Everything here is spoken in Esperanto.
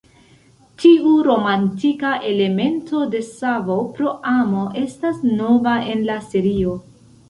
Tiu romantika elemento de savo pro amo estas nova en la serio.